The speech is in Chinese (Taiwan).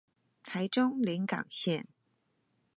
臺中臨港線